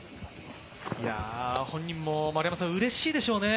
本人もうれしいでしょうね。